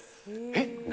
えっ？